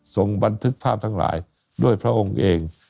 บันทึกภาพทั้งหลายด้วยพระองค์เอง